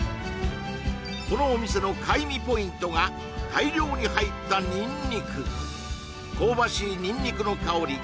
このお店の怪味ポイントが大量に入ったニンニク香ばしいニンニクの香り